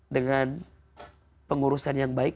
dengan pengurusan yang baik